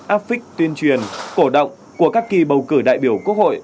áp phích tuyên truyền cổ động của các kỳ bầu cử đại biểu quốc hội